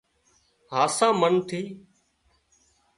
هاسا منَ ٿِي